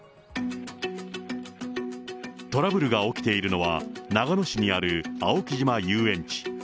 トラブルが起きているのは、長野市にある青木島遊園地。